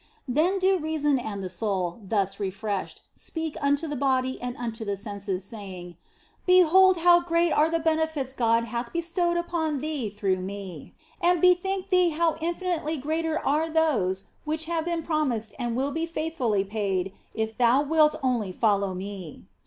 Then do reason and the soul, thus refreshed, speak unto the body and unto the senses, saying :" Behold how great are the benefits God hath bestowed upon thee through me, and bethink thee how infinitely greater are those which have been promised and will be faithfully paid if thou wilt only follow me.